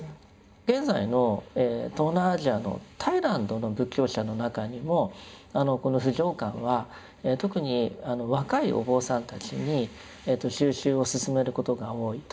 現在の東南アジアのタイランドの仏教者の中にもこの不浄観は特に若いお坊さんたちに修習を進めることが多いと。